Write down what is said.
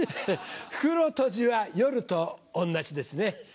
袋とじは夜と同じですね。